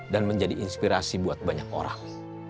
dan menjadi inspirasi buat banyak orang